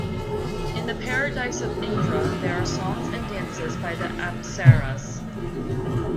In the Paradise of Indra there are songs and dances by the apsaras.